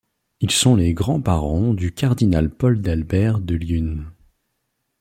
Ils sont les grands-parents du cardinal Paul d'Albert de Luynes.